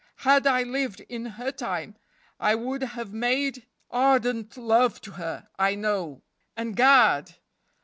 Had I lived in her time I would have made ardent love to her, I know; and, gad!